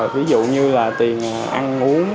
ví dụ như là tiền ăn uống